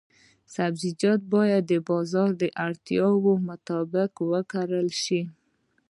سبزیجات باید د بازار د اړتیاوو مطابق وکرل شي.